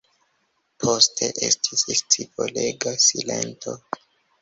Poste estis scivolega silento.